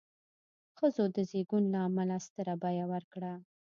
ښځو د زېږون له امله ستره بیه ورکړه.